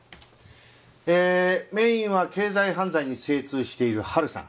えーメインは経済犯罪に精通している春さん。